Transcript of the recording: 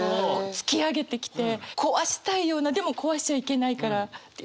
突き上げてきて壊したいようなでも壊しちゃいけないからっていう